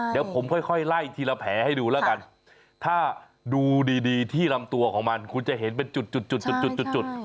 เดี๋ยวผมค่อยไล่ทีละแผลให้ดูแล้วกันถ้าดูดีที่ลำตัวของมันคุณจะเห็นเป็นจุดจุด